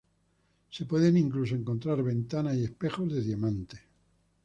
Se pueden incluso encontrar ventanas y espejos de diamante.